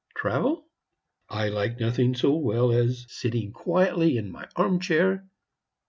Travel? I like nothing so well as sitting quietly in my arm chair.